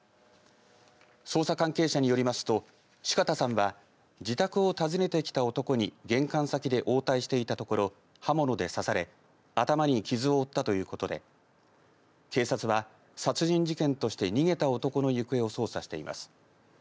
捜査関係者によりますと四方さんは自宅を訪ねてきた男に玄関先で応対していたところ刃物で刺され頭に傷を負ったということで警察は殺人事件として逃げた男の行方を捜査しています。